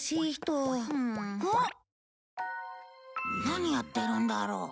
何やってるんだろう？